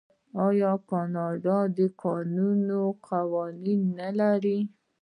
آیا کاناډا د کانونو قوانین نلري؟